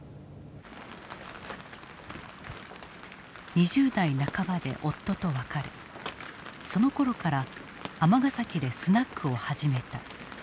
２０代半ばで夫と別れそのころから尼崎でスナックを始めた。